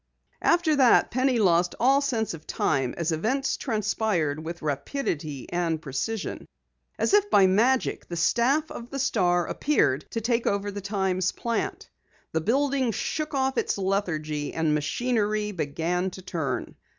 After that Penny lost all sense of time as events transpired with rapidity and precision. As if by magic the staff of the Star appeared to take over the Times plant. The building shook off its lethargy and machinery began to turn.